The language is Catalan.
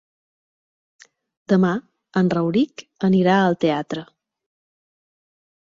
Demà en Rauric anirà al teatre.